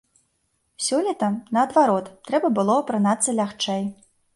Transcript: Сёлета, наадварот, трэба было апранацца лягчэй.